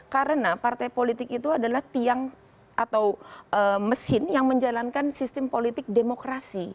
karena partai politik itu adalah tiang atau mesin yang menjalankan sistem politik demokrasi